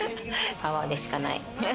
パワーでしかない。